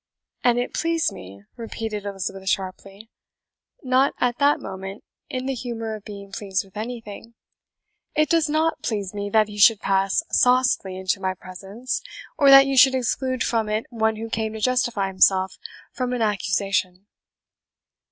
"An it please me?" repeated Elizabeth sharply, not at that moment in the humour of being pleased with anything. "It does NOT please me that he should pass saucily into my presence, or that you should exclude from it one who came to justify himself from an accusation."